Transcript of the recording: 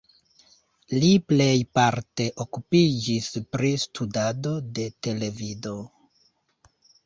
Li plejparte okupiĝis pri studado de televido.